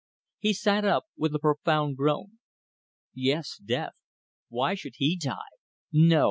He sat up with a profound groan. Yes, death. Why should he die? No!